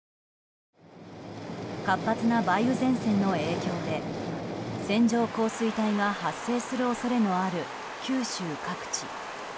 活発な梅雨前線の影響で線状降水帯が発生する恐れのある九州各地。